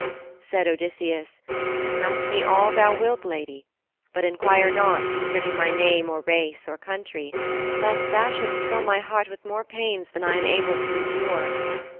Said Odysseus, 'Ask me all thou wilt, lady, but inquire not concerning my name, or race, or country, lest thou shouldst fill my heart with more pains than I am able to endure.